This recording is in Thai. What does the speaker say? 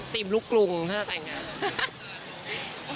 ติมลุกลุ่มถ้าจะแต่งงาน